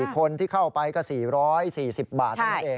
๔คนที่เข้าไปก็๔๔๐บาท